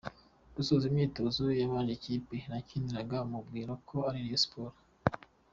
Dusoje imyitozo yambajije ikipe nakiniraga mubwira ko ari Rayon Sports.